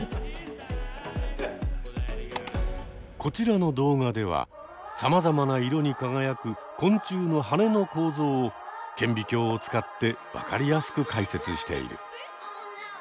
こちらの動画ではさまざまな色に輝く昆虫の羽の構造を顕微鏡を使って分かりやすく解説している。